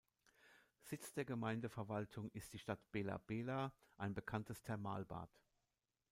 Sitz der Gemeindeverwaltung ist die Stadt Bela-Bela, ein bekanntes Thermalbad.